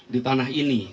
di tanah ini